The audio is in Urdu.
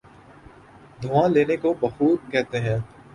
دھواں لینے کو بخور کہتے ہیں۔